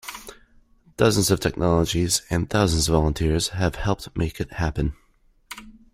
Dozens of technologists and thousands of volunteers had helped make it happen.